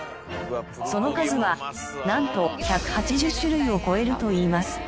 その数はなんと１８０種類を超えるといいます。